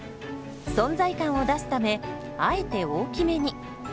存在感を出すためあえて大きめに。